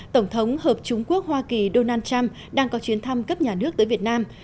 tổng thống hợp chúng quốc hoa kỳ donald trump đang có chuyến thăm cấp nhà nước tới việt nam